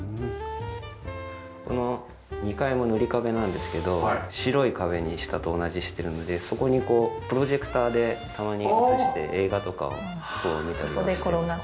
この２階も塗り壁なんですけど白い壁に下と同じにしてるのでそこにプロジェクターでたまに映して映画とかを見たりはしてます。